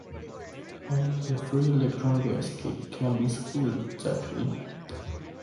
Only the free electron gas case can be solved exactly.